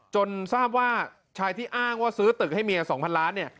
จนทราบว่าชายที่อ้างว่าซื้อตึกให้เมีย๒๐๐ล้านเนี่ย